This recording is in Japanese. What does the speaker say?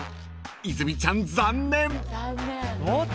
［泉ちゃん残念］